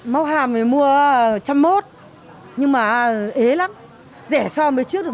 móc hàm mình mua trăm mốt nhưng mà ế lắm rẻ so mới trước được một mươi